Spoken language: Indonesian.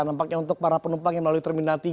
nampaknya untuk para penumpang yang melalui terminal tiga